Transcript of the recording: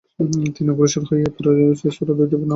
তিনি অগ্রসর হয়ে এ সূরা দুটি দিয়ে নামায পড়ালেন।